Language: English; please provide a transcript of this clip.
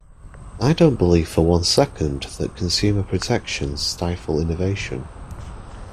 I don't believe for one second that consumer protections stifle innovation.